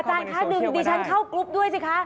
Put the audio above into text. อาจารย์ค่ะดึงดิฉันเข้ากรุ๊ปด้วยสิคะ